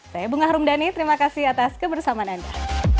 saya bunga harumdhani terima kasih atas kebersamaan anda